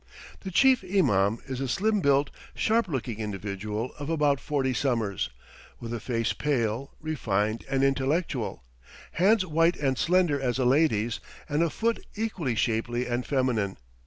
The Chief Imam is a slim built, sharp looking individual of about forty summers, with a face pale, refined, and intellectual; hands white and slender as a lady's, and a foot equally shapely and feminine.